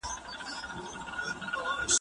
یوه ورځ روسته تر پنځوس کلنۍ